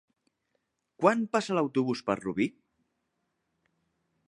Quan passa l'autobús per Rubí?